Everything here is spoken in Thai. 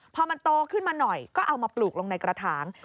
พอมันโตขึ้นมาหน่อยก็เอามาปลูกลงในกระถาง